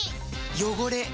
汚れ。